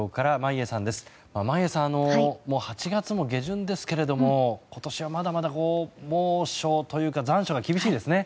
眞家さん８月も下旬ですけれども今年はまだまだ猛暑というか残暑が厳しいですね。